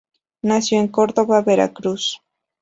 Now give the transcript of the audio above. Nació en Córdoba, Veracruz.